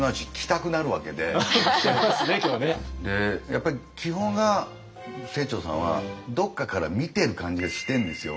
やっぱり基本が清張さんはどっかから見てる感じがしてんですよ